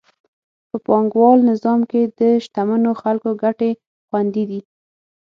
په پانګوال نظام کې د شتمنو خلکو ګټې خوندي دي.